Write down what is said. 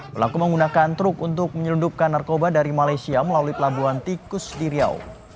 pelaku menggunakan truk untuk menyelundupkan narkoba dari malaysia melalui pelabuhan tikus di riau